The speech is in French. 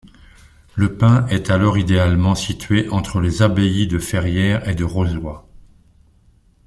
Le Pin est alors idéalement situé entre les abbayes de Ferrières et de Rozoy.